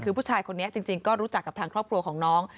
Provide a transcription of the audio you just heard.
คือผู้ชายคนนี้จริงก็รู้จักกับทางครอบครัวของน้อง